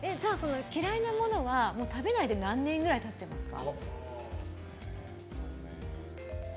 嫌いなものは食べないで何年ぐらい経ってますか？